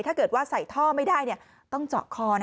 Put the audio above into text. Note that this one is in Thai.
ถ้าเกิดว่าใส่ท่อไม่ได้ต้องเจาะคอ